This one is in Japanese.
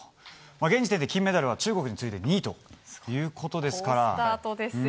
現時点で金メダルは中国に次いで２位ということです。